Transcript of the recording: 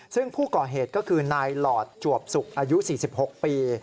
ซึ่งผู้ก่อเหตุก็คือนายหลอดจวบสุกอายุ๔๖ปี